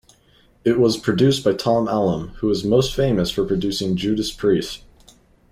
It was produced by Tom Allom, who is most famous for producing Judas Priest.